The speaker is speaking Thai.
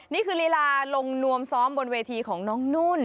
นี่คือลีลาลงนวมซ้อมบนเวทีของน้องนุ่น